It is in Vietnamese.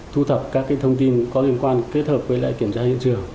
thu thập các cái thông tin có liên quan kết hợp với lại kiểm tra thị trường